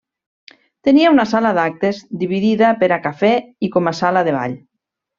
Tenia una sala d'actes, dividida per a cafè i com a sala de ball.